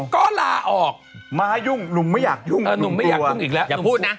ก็ลาออกมายุ่งหนุ่มไม่อยากยุ่งหนุ่มกลัวอย่าพูดนะ